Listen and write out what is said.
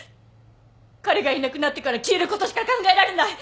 彼がいなくなってから消えることしか考えられない。